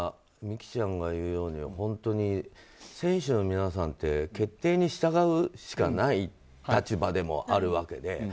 美姫ちゃんが言うように本当に選手の皆さんって決定に従うしかない立場でもあるわけで。